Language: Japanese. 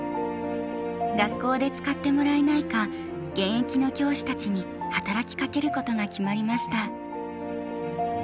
学校で使ってもらえないか現役の教師たちに働きかけることが決まりました。